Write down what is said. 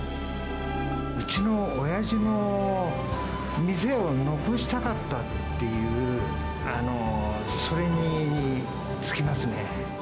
うちのおやじの店を残したかったっていう、それに尽きますね。